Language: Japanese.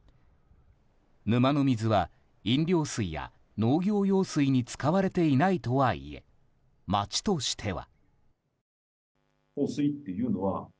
沼の水は、飲料水や農業用水に使われていないとはいえ町としては。